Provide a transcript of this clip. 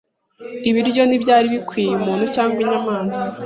Ibiryo ntibyari bikwiye umuntu cyangwa inyamaswa.